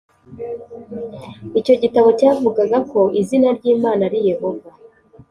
Icyo gitabo cyavugaga ko izina ry Imana ari Yehova